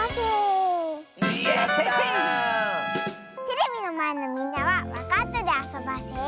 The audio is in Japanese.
テレビのまえのみんなはわかったであそばせ。